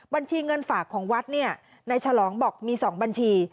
บัญชีเงินฝากของวัดเนี่ยนายฉลองบอกมี๒บัญชี